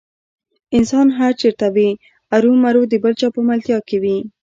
انسان هر چېرته وي ارومرو د بل چا په ملتیا کې وي.